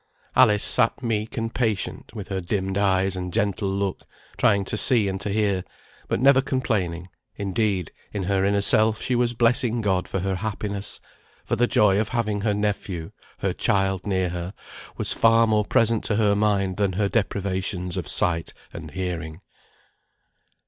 Alice sat meek and patient with her dimmed eyes and gentle look, trying to see and to hear, but never complaining; indeed, in her inner self she was blessing God for her happiness; for the joy of having her nephew, her child, near her, was far more present to her mind, than her deprivations of sight and hearing.